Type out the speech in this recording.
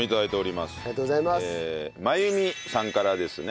まゆみさんからですね。